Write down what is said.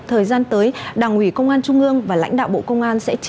thời gian tới đảng ủy công an trung ương và lãnh đạo bộ công an